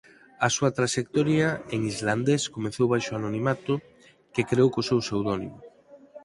A súa traxectoria en islandés comezou baixo o anonimato que creou co seu pseudónimo.